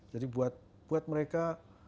jadi buat mereka